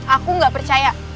aku ga percaya